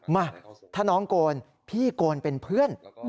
มาถ้าน้องโกนพี่โกนเป็นเพื่อน